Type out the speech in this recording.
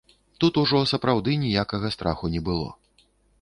Тут ужо сапраўды ніякага страху не было.